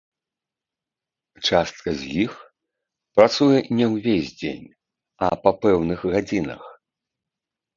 Частка з іх працуе не ўвесь дзень, а па пэўных гадзінах.